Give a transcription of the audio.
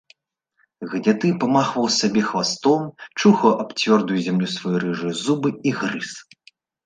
Гняды памахваў сабе хвастом, чухаў аб цвёрдую зямлю свае рыжыя зубы і грыз.